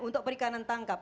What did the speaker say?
untuk perikanan tangkap